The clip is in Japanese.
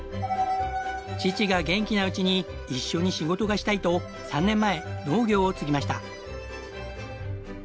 父が元気なうちに一緒に仕事がしたいと３年前農業を継ぎました。